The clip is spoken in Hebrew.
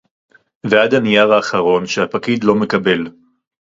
ועד הנייר האחרון שהפקיד לא מקבל